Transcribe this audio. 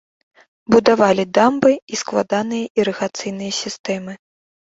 Будавалі дамбы і складаныя ірыгацыйныя сістэмы.